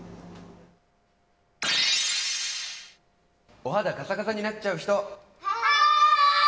お肌カサカサになっちゃう人？